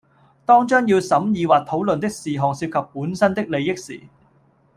當將要審議或討論的事項涉及本身的利益時